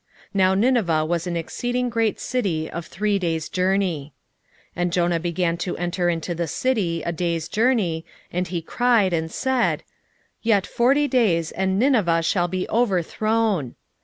Now Nineveh was an exceeding great city of three days' journey. 3:4 And Jonah began to enter into the city a day's journey, and he cried, and said, Yet forty days, and Nineveh shall be overthrown.